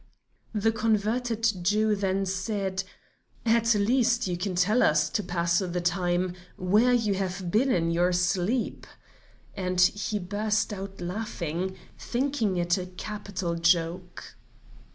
The converted Jew then said: "At least, you can tell us, to pass the time, where you have been in your sleep?" and he burst out laughing, thinking it a capital joke.